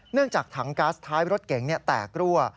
เนื่องจากถังกัสท้ายรถเก๋งแตกรั่ว